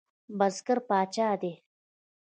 بزګر پاچا دی؟